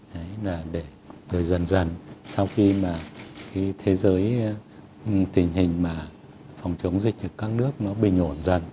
đấy là để dần dần sau khi mà cái thế giới tình hình mà phòng chống dịch ở các nước nó bình ổn dần